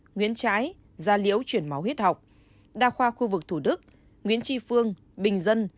nguyễn trãi gia liễu chuyển máu huyết học đa khoa khu vực thủ đức nguyễn tri phương bình dân